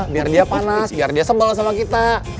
biar dia panas biar dia sembal sama kita